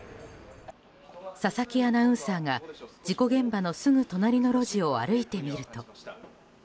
佐々木アナウンサーが事故現場のすぐ隣の路地を歩いてみると。